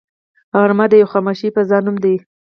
غرمه د یوې خاموشې فضا نوم دی